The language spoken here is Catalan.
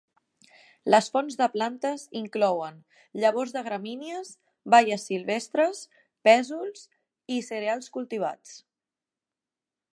Les fonts de plantes inclouen llavors de gramínies, baies silvestres, pèsols i cereals cultivats.